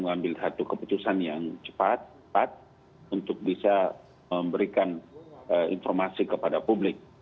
saya mau ambil satu keputusan yang cepat untuk bisa memberikan informasi kepada publik